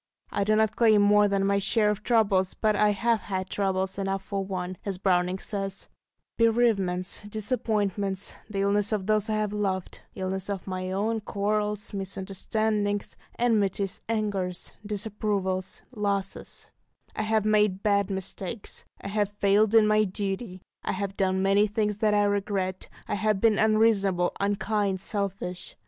I do not claim more than my share of troubles, but "I have had trouble enough for one," as Browning says, bereavements, disappointments, the illness of those I have loved, illness of my own, quarrels, misunderstandings, enmities, angers, disapprovals, losses; I have made bad mistakes, I have failed in my duty, I have done many things that I regret, I have been unreasonable, unkind, selfish.